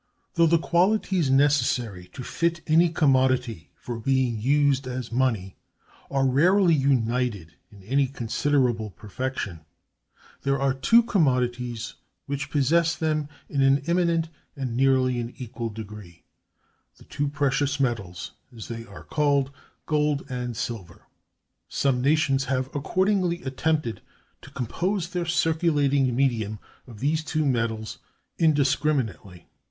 Though the qualities necessary to fit any commodity for being used as money are rarely united in any considerable perfection, there are two commodities which possess them in an eminent and nearly an equal degree—the two precious metals, as they are called—gold and silver. Some nations have accordingly attempted to compose their circulating medium of these two metals indiscriminately.